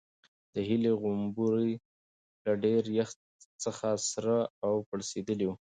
د هیلې غومبوري له ډېر یخ څخه سره او پړسېدلي وو.